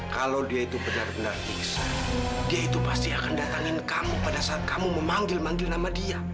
kalo dia itu bener bener iksan dia itu pasti akan datangin kamu pada saat kamu memanggil manggil nama dia